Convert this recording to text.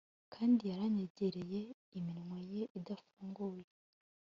kandi yaranyegereye, iminwa ye idafunguye